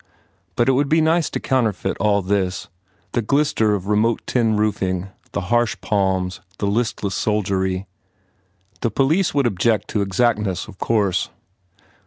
But it would be nice to counterfeit all this the glister of remote tin roofing, the harsh palms, the listless soldiery. The police would object to exactness of course.